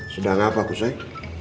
sedang apa kusy